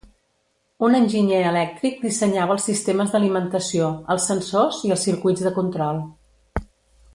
Un enginyer elèctric dissenyava els sistemes d"alimentació, els sensors i els circuits de control.